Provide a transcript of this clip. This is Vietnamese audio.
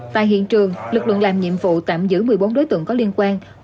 tại hiện trường lực lượng làm nhiệm vụ tạm giữ một mươi bốn đối tượng có liên quan